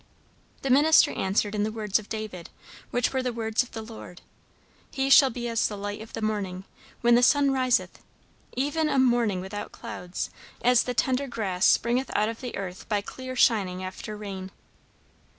The minister answered in the words of David, which were the words of the Lord: "'He shall be as the light of the morning, when the sun riseth, even a morning without clouds; as the tender grass springeth out of the earth by clear shining after rain.'"